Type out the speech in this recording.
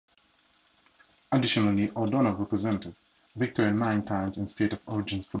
Additionally, O'Donnell represented Victoria nine times in state of origin football.